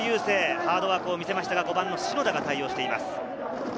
ハードワークを見せましたが、篠田が対応しています。